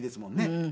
うん。